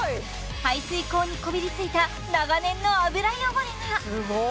排水口にこびりついた長年の油汚れがすごっ！